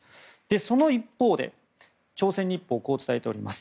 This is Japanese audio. その一方で、朝鮮日報はこう伝えています。